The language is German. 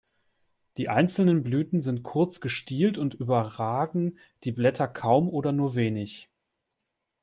Die einzelnen Blüten sind kurz gestielt und überragen die Blätter kaum oder nur wenig.